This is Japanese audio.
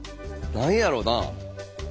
何やろな。